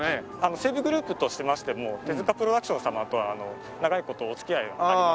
西武グループとしましても手プロダクション様とは長い事お付き合いがありまして。